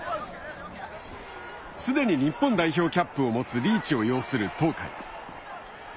すでに日本代表キャップを持つリーチを擁する東海。